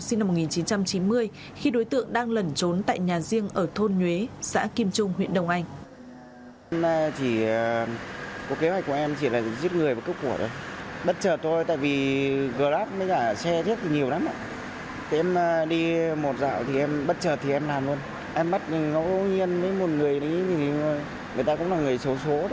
sinh năm một nghìn chín trăm chín mươi khi đối tượng đang lẩn trốn tại nhà riêng ở thôn nhuế xã kim trung huyện đông anh